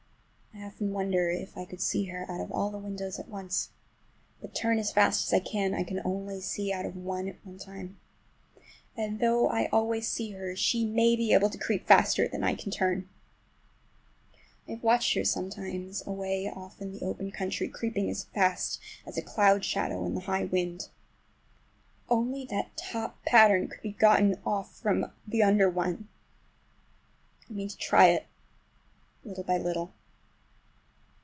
I often wonder if I could see her out of all the windows at once. But, turn as fast as I can, I can only see out of one at one time. And though I always see her she may be able to creep faster than I can turn! I have watched her sometimes away off in the open country, creeping as fast as a cloud shadow in a high wind. If only that top pattern could be gotten off from the under one! I mean to try it, little by little.